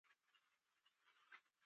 تا څنګه وخندل